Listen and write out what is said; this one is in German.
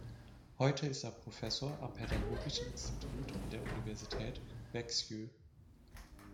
Heute ist er Professor am Pädagogischen Institut an der Universität Växjö.